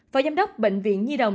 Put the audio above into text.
và giám đốc bệnh viện nhi đồng